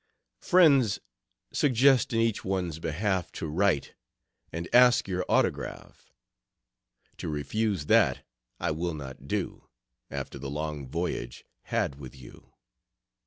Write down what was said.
Friends, suggest in each one's behalf To write, and ask your autograph. To refuse that, I will not do, After the long voyage had with you.